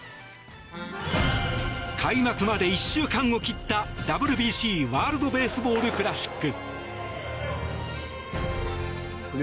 開幕まで１週間を切ったＷＢＣ＝ワールド・ベースボール・クラシック。